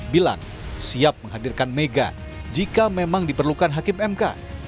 bila siap menghadirkan mega jika memang diperlukan hakim mk